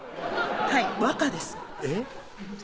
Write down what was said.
はい和歌ですえっ？